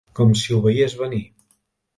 Com si ho veiés venir.